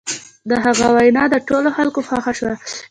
د هغه وینا د ټولو خلکو خوښه شوه.